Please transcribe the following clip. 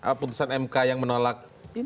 keputusan mk yang menolak